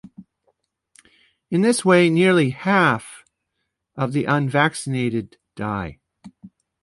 In this way nearly half..of the unvaccinated die.